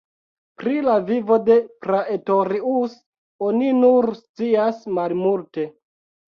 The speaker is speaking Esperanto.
Pri la vivo de Praetorius oni nur scias malmulte.